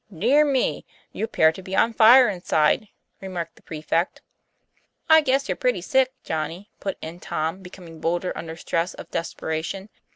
"Dear me! you appear to be on fire inside," remarked the prefect. " I guess you're pretty sick, Johnny," put in Tom, becoming bolder under stress of desperation.